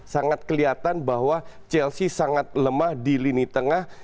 sangat kelihatan bahwa chelsea sangat lemah di lini tengah